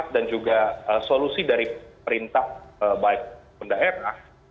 dan juga solusi dari perintah baik pendaerah